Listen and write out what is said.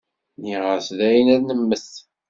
Nniɣ-as dayen ad nemmet.